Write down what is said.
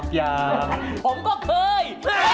ผมก็เคย